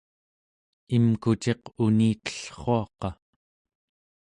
imkuciq unitellruaqa